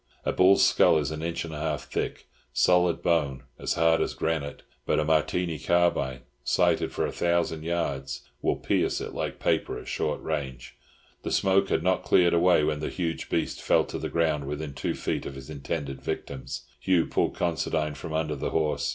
A buffalo's skull is an inch and a half thick, solid bone, as hard as granite; but a Martini carbine, sighted for a thousand yards, will pierce it like paper at short range. The smoke had not cleared away when the huge beast fell to the ground within two feet of his intended victims. Hugh pulled Considine from under the horse.